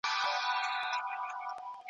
د تاریخ هره پاڼه نوی درس لري.